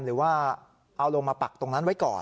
หรือว่าเอาลงมาปักตรงนั้นไว้ก่อน